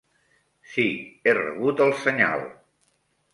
Sí, he rebut el senyal!